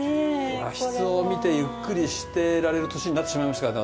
和室を見てゆっくりしていられる年になってしまいましたからね